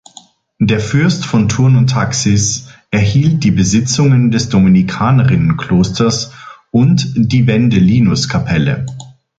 Der Fürst von Thurn und Taxis erhielt die Besitzungen des Dominikanerinnenklosters und die Wendelinuskapelle.